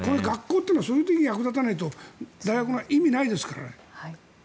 学校というのはそういう時に役立たないと大学は意味ないですから。